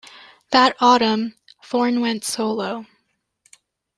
That autumn, Thorn went solo.